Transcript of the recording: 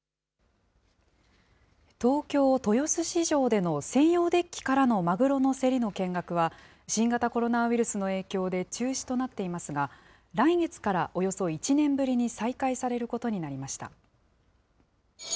東京・豊洲市場での専用デッキからのマグロの競りの見学は、新型コロナウイルスの影響で中止となっていますが、来月からおよそ１年ぶりに再開されることになりました。